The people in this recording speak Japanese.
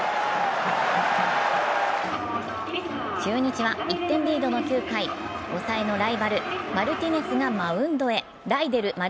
中日は１点リードの９回、抑えのライデル・マルティネスがマウンドへ。